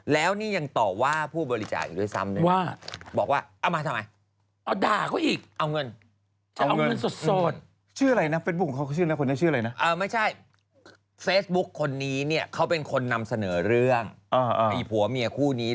แล้วนี่ยังตอบว่าผู้บริจาคอีกด้วยซ้ำด้วย